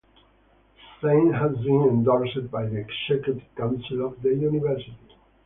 The same has been endorsed by the Executive Council of the University.